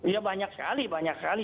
ya banyak sekali banyak sekali